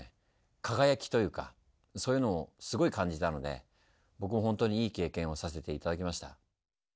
輝きというかそういうのをすごい感じたので僕も本当にいい経験をさせていただきました。